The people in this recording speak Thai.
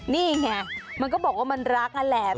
นี่ไงมันก็บอกว่ามันรักนั่นแหละ